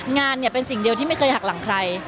งานเนี่ยเป็นสิ่งเดียวที่ไม่เคยหักหลังใคร